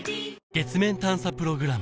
月面探査プログラム